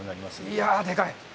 いやあ、でかい。